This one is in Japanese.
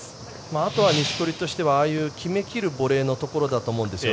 あとは錦織としては決め切るボレーのところだと思うんですよ。